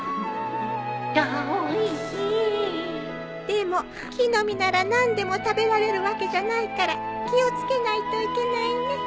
でも木の実なら何でも食べられるわけじゃないから気を付けないといけないね。